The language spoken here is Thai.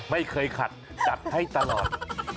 ไม่เคยขัดจัดให้ตลอด